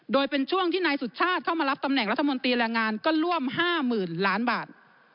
โดยเป็นช่วงที่นายสุชาติเข้ามารับตำแหน่งรัฐมนตรีแรงงานก็ร่วม๕๐๐๐ล้านบาท